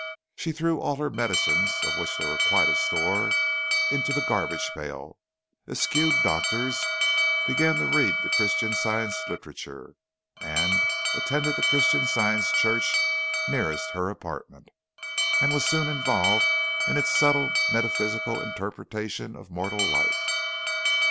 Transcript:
She threw all her medicines, of which there was quite a store, into the garbage pail, eschewed doctors, began to read the Christian Science literature, and attend the Christian Science church nearest her apartment, and was soon involved in its subtle metaphysical interpretation of mortal life.